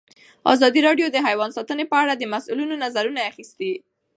ازادي راډیو د حیوان ساتنه په اړه د مسؤلینو نظرونه اخیستي.